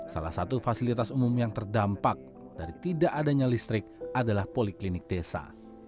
salah satu fasilitas umum yang terdampak dari tidak adanya listrik adalah poliklinik desa